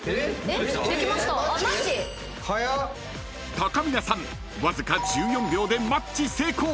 ［たかみなさんわずか１４秒でマッチ成功］